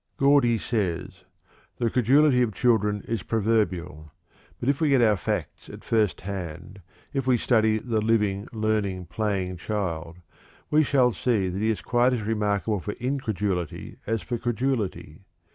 Gordy says: "The credulity of children is proverbial; but if we get our facts at first hand, if we study 'the living, learning, playing child,' we shall see that he is quite as remarkable for incredulity as for credulity.